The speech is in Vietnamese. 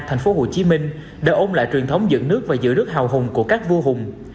thành phố hồ chí minh đã ôn lại truyền thống dựng nước và giữ nước hào hùng của các vua hùng